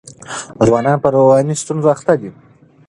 ځوانان په رواني ستونزو اخته دي.